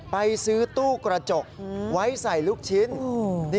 ไปซื้อตู้กระจกไว้ใส่ลูกชิ้น